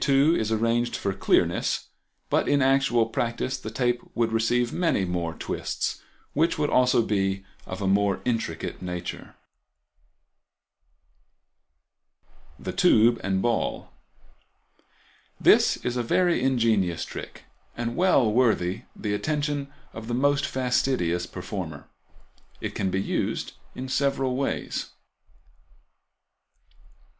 Fig. 22 is arranged for clearness, but in actual practice the tape would receive many more twists, which would also be of a more intricate nature. The Tube and Ball.—This is a very ingenious trick, and well worthy the attention of the most fastidious performer. It can be used in several ways.